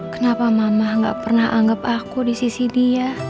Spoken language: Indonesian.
kenapa mama gak pernah anggap aku disini